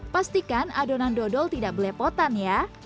pastikan adonan dodol tidak belepotan ya